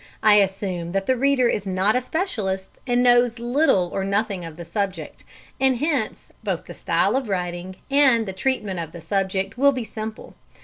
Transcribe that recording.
I assume that the reader is not a specialist and knows little or nothing of the subject, and hence both the style of writing and the treatment of the subject will be simple.